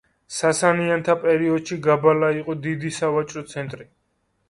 სასანიანთა პერიოდში გაბალა იყო დიდი სავაჭრო ცენტრი.